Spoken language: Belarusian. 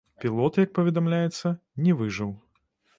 Пілот, як паведамляецца, не выжыў.